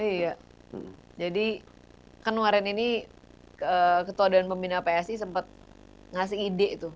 iya jadi kemarin ini ketua dan pembina psi sempat ngasih ide tuh